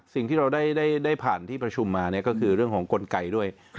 สิ่งที่เราได้ผ่านที่ประชุมมาก็คือเรื่องของกลไกด้วย